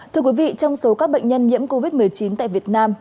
thưa quý vị trong số các bệnh nhân nhiễm covid một mươi chín tại việt nam